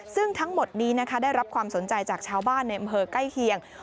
ซึ่งทั้งหมดนี้นะคะได้รับความสนใจจากชาวบ้านในอำเภอใกล้เคียง